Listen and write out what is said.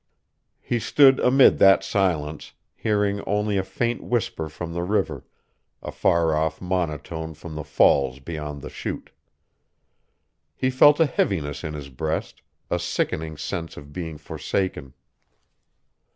He stood amid that silence, hearing only a faint whisper from the river, a far off monotone from the falls beyond the chute. He felt a heaviness in his breast, a sickening sense of being forsaken.